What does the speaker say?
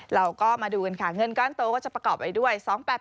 เราก็มาดูกันค่ะเงินก้อนโตก็จะประกอบไปด้วย